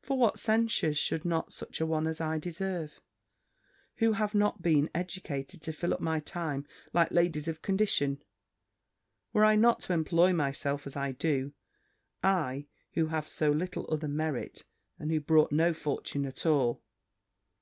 For what censures should not such a one as I deserve, who have not been educated to fill up my time like ladies of condition, were I not to employ myself as I do? I, who have so little other merit, and who brought no fortune at all."